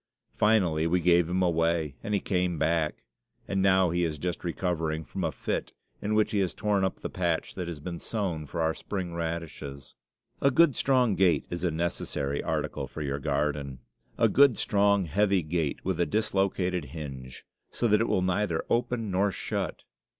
Finally we gave him away, and he came back; and now he is just recovering from a fit, in which he has torn up the patch that has been sown for our spring radishes. A good, strong gate is a necessary article for your garden. A good, strong, heavy gate, with a dislocated hinge, so that it will neither open nor shut.